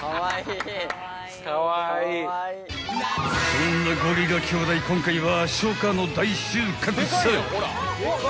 ［そんなゴリラ兄弟今回は］